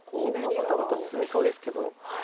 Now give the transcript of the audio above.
バタバタ進みそうですけど。